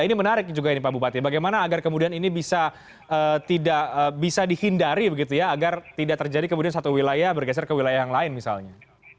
ini menarik juga pak bupati bagaimana agar kemudian ini bisa dihindari agar tidak terjadi kemudian satu wilayah bergeser ke wilayah yang lain misalnya